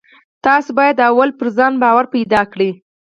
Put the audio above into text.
تاسې بايد لومړی پر ځان باور پيدا کړئ.